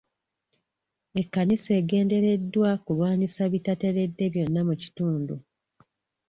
Ekkanisa egendereddwa kulwanyisa ebitateredde byonna mu kitundu.